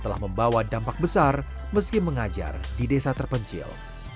telah membawa dampak besar meski mengajar di desa terpencil